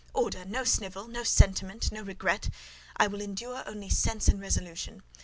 Order! No snivel!—no sentiment!—no regret! I will endure only sense and resolution.